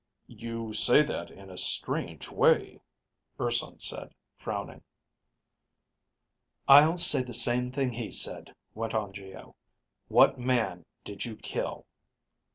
"You say that in a strange way," Urson said, frowning. "I'll say the same thing he said," went on Geo. "What man did you kill?"